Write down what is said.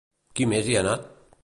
Qui més hi ha anat?